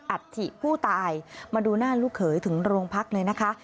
อัฐิผู้ตายมาดูหน้าลูกเขยถึงโรงพักเลยนะคะ